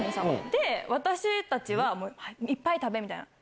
で、私たちはいっぱい食べてん。